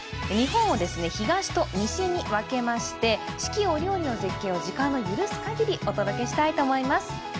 日本を東と西に分けまして四季折々の絶景を時間の許すかぎりお届けしたいと思います。